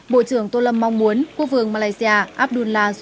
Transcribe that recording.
bộ trưởng tô lâm mong muốn quốc vương malaysia abdullah suu kyi